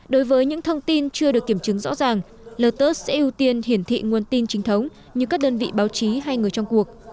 đối với những thông tin chưa được kiểm chứng rõ ràng lotus sẽ ưu tiên hiển thị nguồn tin trinh thống như các đơn vị báo chí hay người trong cuộc